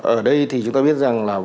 ở đây thì chúng ta biết rằng là